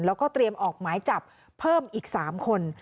แล้วก็เตรียมออกหมายจับเพิ่มอีก๓คน